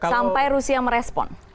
sampai rusia merespon